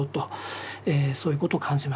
そういうことを感じましたね。